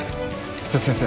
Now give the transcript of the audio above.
瀬戸先生